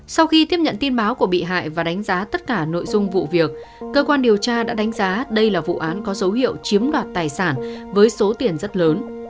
sau khi tiếp nhận tin báo của bị hại và đánh giá tất cả nội dung vụ việc cơ quan điều tra đã đánh giá đây là vụ án có dấu hiệu chiếm đoạt tài sản với số tiền rất lớn